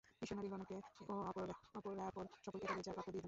মিশনরীগণকে ও অপরাপর সকলকে তাদের যা প্রাপ্য, দিয়ে দাও।